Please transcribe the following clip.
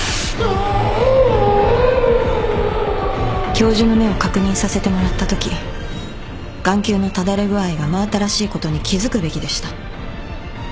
教授の目を確認させてもらったとき眼球のただれ具合が真新しいことに気付くべきでした。